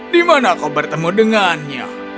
di mana kau bertemu dengannya